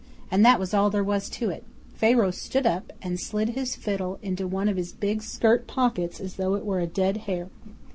And that was all there was to it.' Pharaoh stood up and slid his fiddle into one of his big skirt pockets as though it were a dead hare.